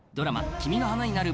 「君の花になる」